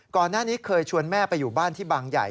ก่อนหน้านี้เคยชวนแม่ไปอยู่บ้านที่บางใหญ่